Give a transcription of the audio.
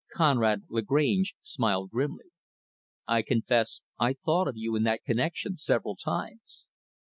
Conrad Lagrange smiled grimly. "I confess I thought of you in that connection several times."